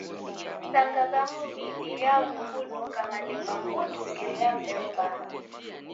Masanga ghamu, midi yaghughuduka malemba putu ngelo ya mbeo mbaha.